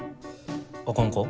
あかんか？